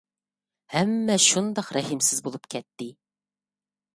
ھەممە شۇنداق رەھىمسىز بولۇپ كەتتى.